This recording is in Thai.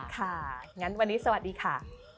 ค่ะงั้นวันนี้สวัสดีค่ะ